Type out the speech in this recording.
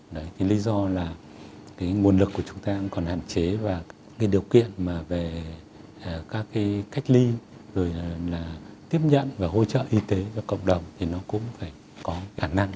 đấy thì lý do là cái nguồn lực của chúng ta còn hạn chế và cái điều kiện mà về các cái cách ly rồi là tiếp nhận và hỗ trợ y tế cho cộng đồng thì nó cũng phải có khả năng